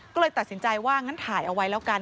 ก็เลยตัดสินใจว่างั้นถ่ายเอาไว้แล้วกัน